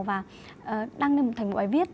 và đăng lên thành một bài viết